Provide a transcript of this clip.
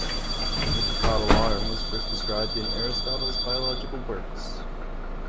The hectocotyl arm was first described in Aristotle's biological works.